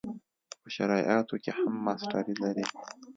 په شرعیاتو کې هم ماسټري لري.